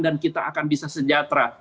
dan kita akan bisa sejahtera